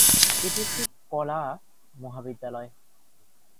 এটি একটি কলা মহাবিদ্যালয়।